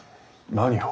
何を？